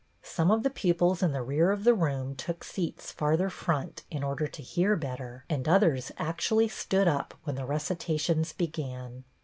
Some of the pupils in the rear of the room took seats farther front in order to hear better, and others actually stood up when the recitations began.